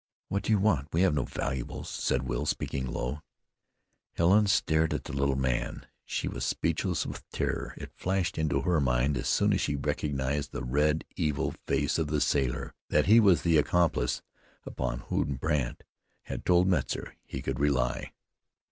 "What do you want? We have no valuables," said Will, speaking low. Helen stared at the little man. She was speechless with terror. It flashed into her mind as soon as she recognized the red, evil face of the sailor, that he was the accomplice upon whom Brandt had told Metzar he could rely.